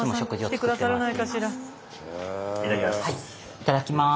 いただきます。